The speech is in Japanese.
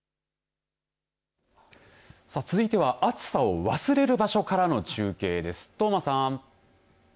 さあ続いては暑さを忘れる場所からの中継です。